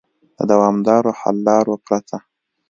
د دوامدارو حل لارو پرته